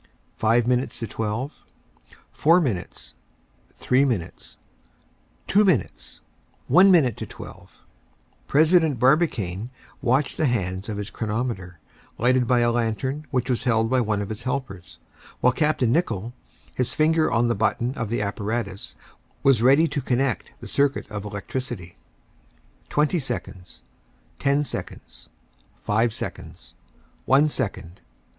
Five minutes to twelve, four minutes, three minutes, two minutes, one minute to twelve President Barbicane watched the hands of his chronometer, lighted by a lantern which was held by one of his helpers, while Capt. Nicholl, his finger on the button of the apparatus, was ready to connect the circuit of electricity. Twenty seconds, ten seconds, five seconds, one second.